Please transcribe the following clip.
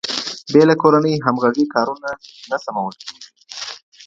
بې له کورنۍ همغږۍ کارونه نه سمول کېږي.